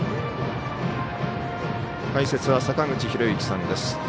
解説は坂口裕之さんです。